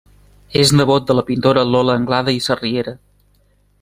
És nebot de la pintora Lola Anglada i Sarriera.